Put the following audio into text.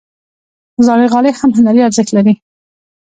زاړه غالۍ هم هنري ارزښت لري.